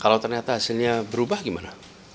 kalau ternyata hasilnya berubah gimana